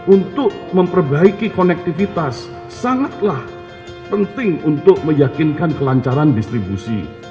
untuk memperbaiki konektivitas sangatlah penting untuk meyakinkan kelancaran distribusi